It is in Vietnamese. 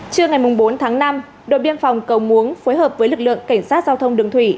trưa ngày bốn tháng năm đội biên phòng cầu muống phối hợp với lực lượng cảnh sát giao thông đường thủy